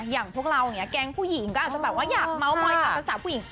อย่างพวกเราแก๊งผู้หญิงก็อาจจะอยากหม้อมอยตัดตามสาวผู้หญิง